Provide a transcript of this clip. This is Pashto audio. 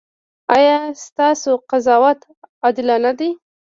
ایا ستاسو قضاوت عادلانه دی؟